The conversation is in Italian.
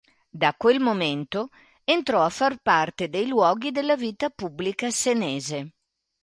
Da quel momento, entrò a far parte dei luoghi della vita pubblica senese.